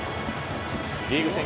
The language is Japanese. リーグ戦